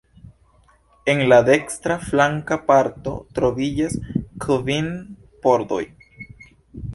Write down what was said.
En la dekstra flanka parto troviĝas kvin pordoj.